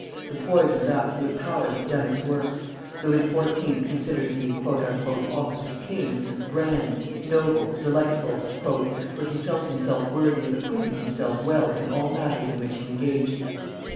The poison of absolute power had done its work. Louis XIV. considered the "office of king" grand, noble, delightful, "for he felt himself worthy of acquitting himself well in all matters in which he engaged."